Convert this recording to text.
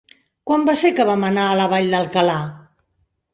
Quan va ser que vam anar a la Vall d'Alcalà?